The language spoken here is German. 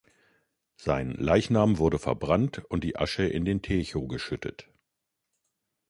Sein Leichnam wurde verbrannt und die Asche in den Tejo geschüttet.